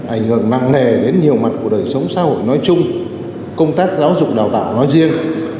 ảnh hưởng nặng nề đến nhiều mặt của đời sống xã hội nói chung công tác giáo dục đào tạo nói riêng